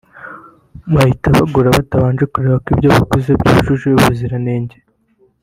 bahita bagura batabanje kureba ko ibyo baguze byujuje ubuziranenge